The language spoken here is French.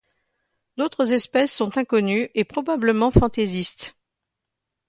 D’autres espèces sont inconnues et probablement fantaisistes.